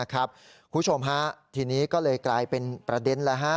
คุณผู้ชมทีนี้ก็เลยกลายเป็นประเด็นท์